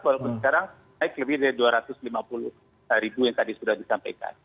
walaupun sekarang naik lebih dari dua ratus lima puluh ribu yang tadi sudah disampaikan